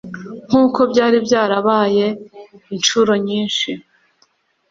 nk'uko byari byarabaye incuro nyinshi